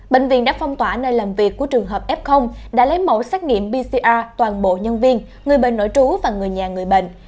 bệnh viện đã phong tỏa nơi làm việc của trường hợp f đã lấy mẫu xét nghiệm pcr toàn bộ nhân viên người bệnh nội trú và người nhà người bệnh